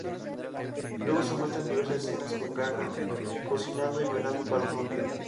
Luego se muestran diversas escenas con Gaga cocinando y bailando para un hombre.